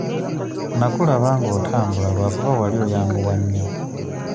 Nnakulaba nga otambula lwakuba wali oyanguwa nnyo.